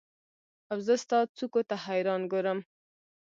اوزه ستا څوکو ته حیران ګورم